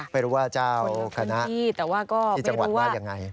ไม่รู้ว่าเจ้าคณะที่จังหวัดวาดอย่างไร